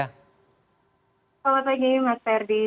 selamat pagi mas ferdi